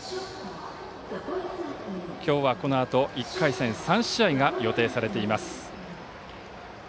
今日はこのあと１回戦３試合が予定されています。